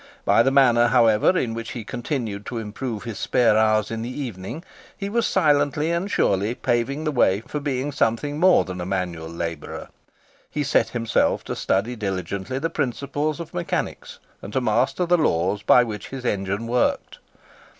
By the manner, however, in which he continued to improve his spare hours in the evening, he was silently and surely paving the way for being something more than a manual labourer. He set himself to study diligently the principles of mechanics, and to master the laws by which his engine worked.